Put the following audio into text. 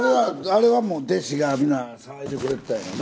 あれは弟子が皆騒いでくれてたんやな。